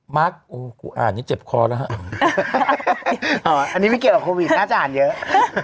กูกูอ่านนี่เจ็บคอแล้วฮะอันนี้ไม่เกี่ยวกับโควิดน่าจะอ่านเยอะ